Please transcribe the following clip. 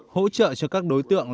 hỗ trợ cho các đối tượng